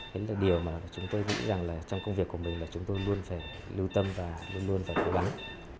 đấy là điều mà chúng tôi nghĩ rằng là trong công việc của mình là chúng tôi luôn phải lưu tâm và luôn luôn phải cố gắng